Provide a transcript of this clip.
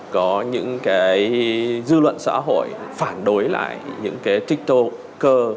có những dư luận xã hội phản đối lại những tích tố cơ